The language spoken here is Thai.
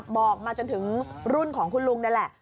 บอกมาจนถึงรุ่นของคุณลุงนั่นแหละ